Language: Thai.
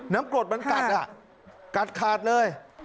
กรดมันกัดอ่ะกัดขาดเลย